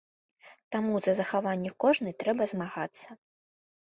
Таму за захаванне кожнай трэба змагацца.